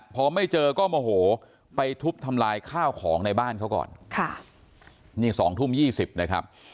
พอไม่เจอก็โมโหไปทุบทำลายข้าวของในบ้านเขาก่อนค่ะนี่๒ทุ่ม๒๐นะครับ